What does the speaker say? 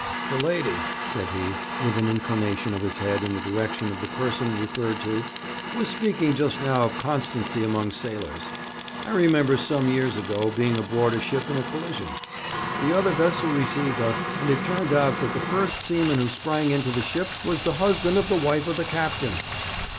'The lady,' said he, with an inclination of his head in the direction of the person referred to, 'was speaking just now of constancy amongst sailors. I remember some years ago being aboard a ship in a collision. The other vessel received us, and it turned out that the first seaman who sprang into the ship was the husband of the wife of the captain.'